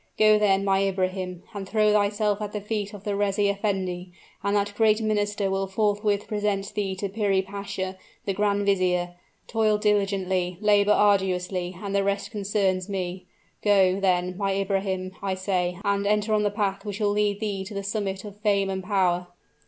Go, then, my Ibrahim, and throw thyself at the feet of the reis effendi, and that great minister will forthwith present thee to Piri Pasha, the grand vizier. Toil diligently labor arduously and the rest concerns me. Go, then, my Ibrahim, I say, and enter on the path which will lead thee to the summit of fame and power!"